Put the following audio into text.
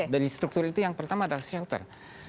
dari struktur itu yang pertama adalah shelter